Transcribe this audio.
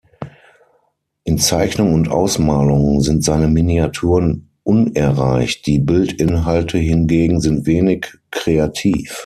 In Zeichnung und Ausmalung sind seine Miniaturen unerreicht, die Bildinhalte hingegen sind wenig kreativ.